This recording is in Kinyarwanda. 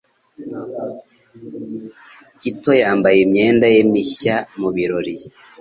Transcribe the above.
tito yambaye imyenda ye mishya mu birori.